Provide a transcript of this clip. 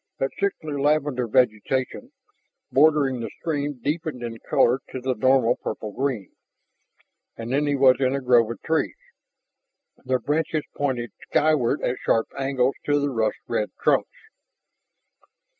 That sickly lavender vegetation bordering the spring deepened in color to the normal purple green, and then he was in a grove of trees, their branches pointed skyward at sharp angles to the rust red trunks.